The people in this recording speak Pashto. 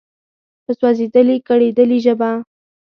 په سوزیدلي، کړیدلي ژبه